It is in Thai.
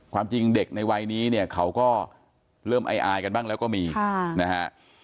ความจริงเด็กในวัยนี้เนี่ยเขาก็เริ่มไออายกันบ้างแล้วก็มีนะฮะ